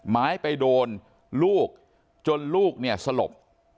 ไม้ไปโดนลูกจนลูกเนี่ยสลบ